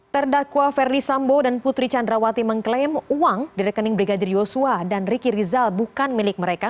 terdakwa ferdi sambo dan putri candrawati mengklaim uang di rekening brigadir yosua dan riki rizal bukan milik mereka